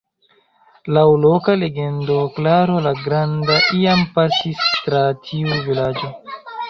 Laŭ loka legendo, Karlo la Granda iam pasis tra tiu vilaĝo.